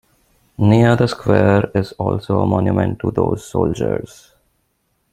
Near the square is also a monument to those soldiers.